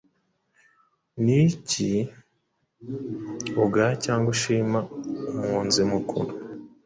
Ni iki ugaya cyangwa ushima umwunzi mukuru,